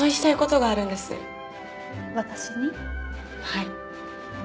はい。